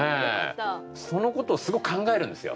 そのことをすごく考えるんですよ。